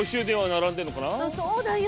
そうだよ。